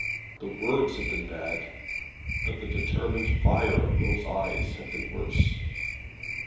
The words had been bad, but the determined fire of those eyes had been worse.